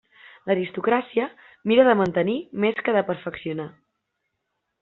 L'aristocràcia mira de mantenir més que de perfeccionar.